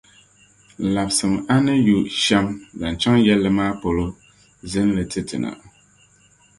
labisi a ni yu shɛm zaŋ chaŋ yɛlli maa polo zilinli ti ti na.